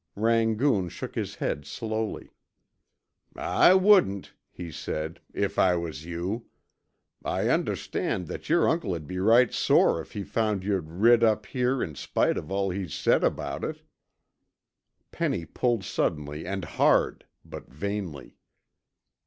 Rangoon shook his head slowly. "I wouldn't," he said, "if I was you. I understand that yer uncle'd be right sore if he found you'd rid up here in spite of all he's said about it." Penny pulled suddenly and hard, but vainly.